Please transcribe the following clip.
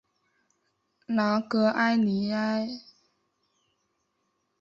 拉戈阿尼埃。